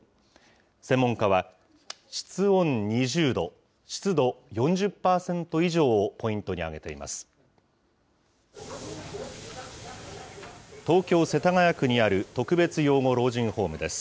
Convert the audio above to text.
専門家は、室温２０度、湿度４０％以上をポイントに挙げています。